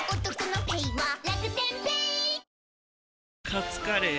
カツカレー？